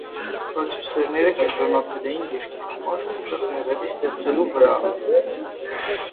Պրոդյուսերները կենտրոնացել էին երգի համար ուժեղ մեղեդի ստեղծելու վրա։